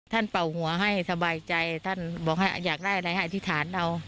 เป่าหัวให้สบายใจท่านบอกให้อยากได้อะไรให้อธิษฐานเอา